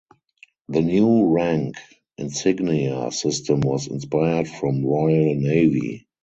The new rank insignia system was inspired from Royal Navy.